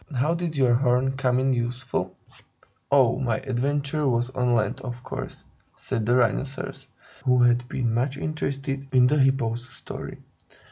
How did your horn come in useful?" "Oh, my adventure was on land, of course," said the Rhinoceros, who had been much interested in the Hippo's story.